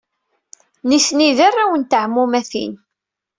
Nitni d arraw n teɛmumatin.